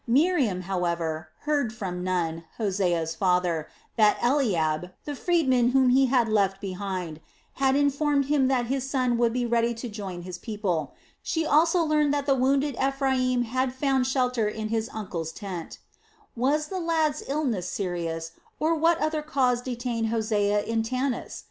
Miriam, however, heard from Nun, Hosea's father, that Eliab, the freedman whom he had left behind, had informed him that his son would be ready to join his people. She also learned that the wounded Ephraim had found shelter in his uncle's tent. Was the lad's illness serious, or what other cause detained Hosea in Tanis?